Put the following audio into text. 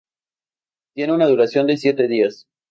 Tiene una duración de siete días.